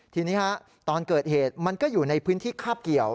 ทีนี้ตอนเกิดเหตุมันก็อยู่ในพื้นที่คาบเกี่ยว